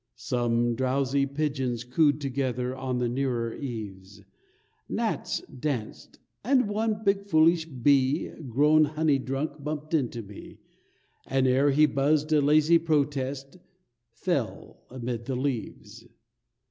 Some drowsy pigeons cooed together On the nearer eaves, Gnats danced, and one big foolish bee Grown honey drunk, bumped into me, And ere he buzzed a lazy protest Fell amid the leaves.